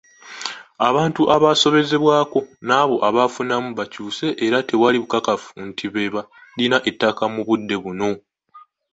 Abantu abaasobezebwako n'abo abaafunamu bakyuse era tewali bukakafu nti be balina ettaka mu budde buno.